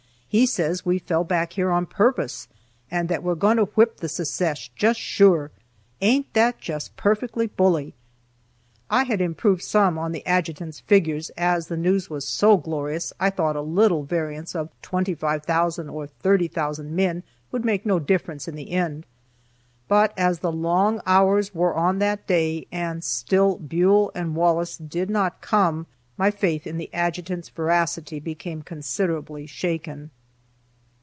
He says we fell back here on purpose, and that we're going to whip the Secesh, just sure. Ain't that just perfectly bully?" I had improved some on the adjutant's figures, as the news was so glorious I thought a little variance of 25,000 or 30,000 men would make no difference in the end. But as the long hours wore on that day, and still Buell and Wallace did not come, my faith in the adjutant's veracity became considerably shaken.